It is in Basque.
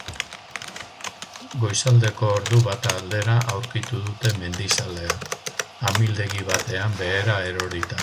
Goizaldeko ordu bata aldera aurkitu dute mendizalea, amildegi batean behera erorita.